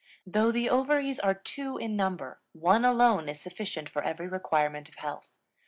Though the ovaries are two in number, one alone is sufficient for every requirement of health.